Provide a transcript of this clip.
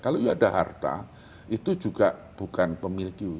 kalau you ada harta itu juga bukan pemilik you